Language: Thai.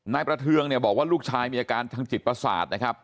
นายประเทืองเนี่ยบอกว่าลูกชายมีอาการทางจิตประสาทนะครับ